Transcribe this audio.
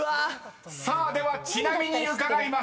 ［ではちなみに伺います。